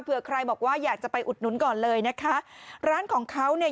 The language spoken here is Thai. เผื่อใครบอกว่าอยากจะไปอุดหนุนก่อนเลยนะคะร้านของเขาเนี่ย